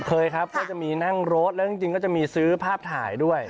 เคยครับก็จะมีนั่งรถแล้วจริงก็จะมีซื้อภาพถ่ายด้วย